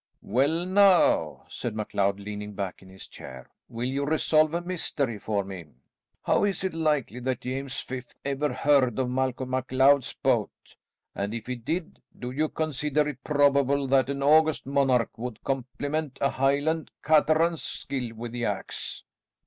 "Well, now," said MacLeod leaning back in his chair, "will you resolve a mystery for me? How is it likely that James Fifth ever heard of Malcolm MacLeod's boat? and if he did, do you consider it probable that an august monarch would compliment a Highland cateran's skill with the axe?"